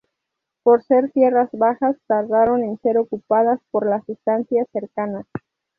Por ser tierras bajas, tardaron en ser ocupadas por las estancias cercanas.